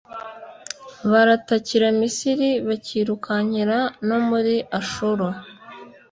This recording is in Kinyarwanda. baratakira Misiri, bakirukankira no muri Ashuru;